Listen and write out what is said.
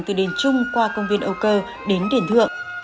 từ đền trung qua công viên âu cơ đến đền thượng